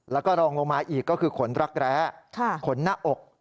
แล้วก็รองลงมาอีกก็คือขนรักแร้ขนหน้าอก